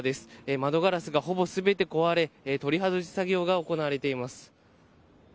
窓ガラスがほぼ全て壊れ取り外し作業が行われています。